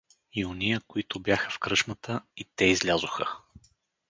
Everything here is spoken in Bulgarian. И ония, които бяха в кръчмата, и те излязоха.